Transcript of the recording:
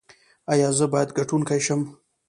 ایا زه باید ګټونکی شم؟